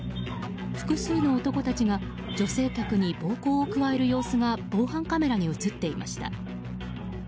複数の男たちが女性客に暴行を加える様子が防犯カメラに映っていました。